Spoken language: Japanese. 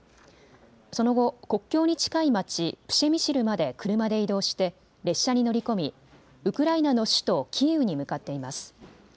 その後、国境に近い街プシェミシルまで車で移動して列車に乗り込みウクライナの首都キーウに向かっています。